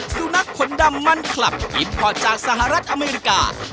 สุนัขขนดำมันคลับอิมพอร์ตจากสหรัฐอเมริกา